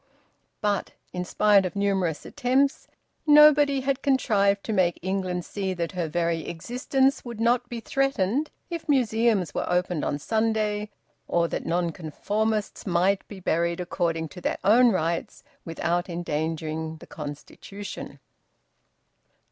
But, in spite of numerous attempts, nobody had contrived to make England see that her very existence would not be threatened if museums were opened on Sunday, or that Nonconformists might be buried according to their own rites without endangering the constitution.